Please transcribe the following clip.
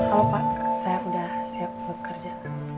halo pak saya sudah siap bekerja